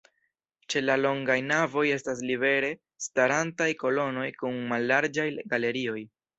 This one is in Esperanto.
Ĉe la longaj navoj estas libere starantaj kolonoj kun mallarĝaj galerioj.